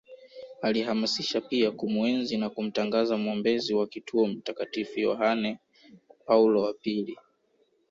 Alihamasisha pia kumuenzi na kumtangaza mwombezi wa kituo Mtakatifu Yahane Paulo wa pili